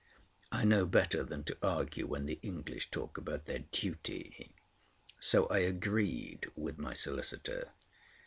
I know better than to argue when the English talk about their duty. So I agreed with my solicitor.